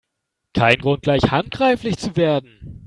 Kein Grund, gleich handgreiflich zu werden!